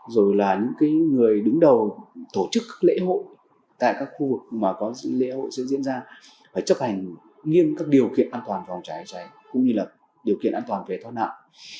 rồi là những người đứng đầu tổ chức các lễ hội tại các khu vực mà có lễ hội sẽ diễn ra phải chấp hành nghiêm các điều kiện an toàn phòng cháy cháy cũng như là điều kiện an toàn về thoát nạn